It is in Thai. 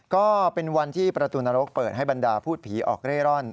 ก็เป็นวันที่ประตูนรกเปิดให้บรรดาพูดผีออกเร่ร่อน